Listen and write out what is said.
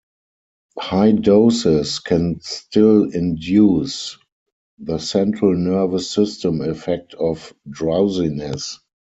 High doses can still induce the central nervous system effect of drowsiness.